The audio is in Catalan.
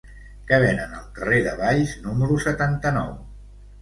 Què venen al carrer de Valls número setanta-nou?